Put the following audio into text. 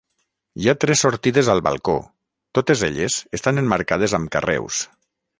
Hi ha tres sortides al balcó, totes elles estan emmarcades amb carreus.